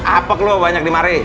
apek lo banyak di mari